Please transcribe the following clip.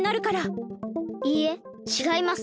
いいえちがいます。